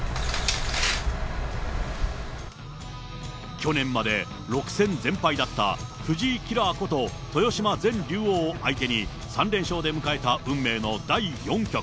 去年まで６戦全敗だった藤井キラーこと豊島前竜王を相手に３連勝で迎えた運命の第４局。